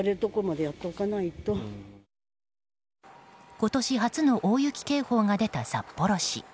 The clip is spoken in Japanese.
今年初の大雪警報が出た札幌市。